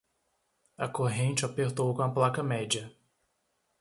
A corrente apertou com a placa média.